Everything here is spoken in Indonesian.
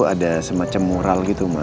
ada semacam moral gitu mbak